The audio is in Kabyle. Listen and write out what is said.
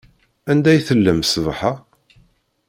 Anda i tellam ṣṣbeḥ-a?